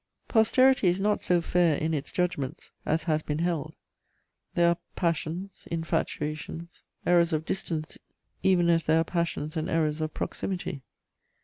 Posterity is not so fair in its judgments as has been held; there are passions, infatuations, errors of distance even as there are passions and errors of proximity.